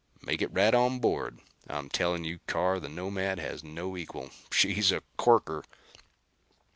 "Make it right on board. I'm telling you Carr, the Nomad has no equal. She's a corker."